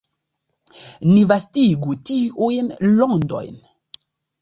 Ni vastigu tiujn rondojn.